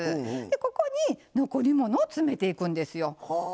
ここに残り物を詰めていくんですよ。